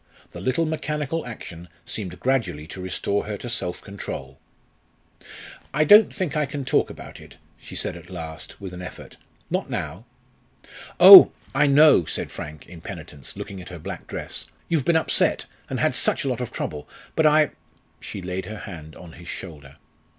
The little mechanical action seemed gradually to restore her to self control. "I don't think I can talk about it," she said at last, with an effort; "not now." "Oh! I know," said Frank, in penitence, looking at her black dress; "you've been upset, and had such a lot of trouble. But I " She laid her hand on his shoulder.